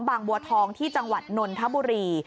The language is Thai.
บางบัวทองที่จังหวัดนนทบุรี